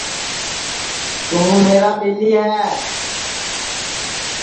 توں میرا ٻیری ہے